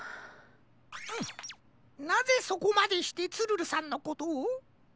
なぜそこまでしてツルルさんのことを？